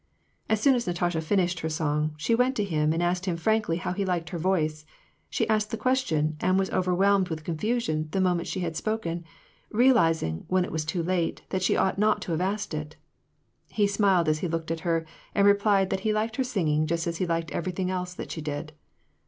As soon as Natasha finished her song, she went to him and asked him frankly how he liked her voice. She asked the question, and was overwhelmed with confusion, the moment she had spoken ; realizing, when it was too late, that she ought not to have asked it. He smiled as he looked at her, and replied that he liked her singing just as he liked everything else that she did.